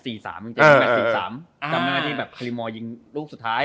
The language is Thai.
จำหน้าที่คลิมอร์ยิงรูปสุดท้าย